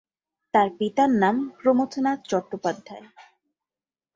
তার পিতার নাম প্রমথনাথ চট্টোপাধ্যায়।